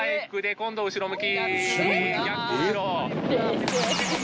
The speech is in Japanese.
・今度後ろ向き。